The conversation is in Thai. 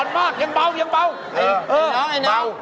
อ่อนมากยังเปล่ายังเปล่า